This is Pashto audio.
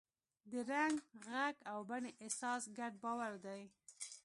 د رنګ، غږ او بڼې احساس ګډ باور دی.